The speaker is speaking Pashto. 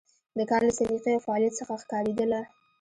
د کار له سلیقې او فعالیت څخه ښکارېدله.